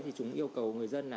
thì chúng yêu cầu người dân